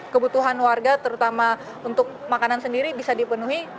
kebutuhan warga terutama untuk makanan sendiri bisa dipenuhi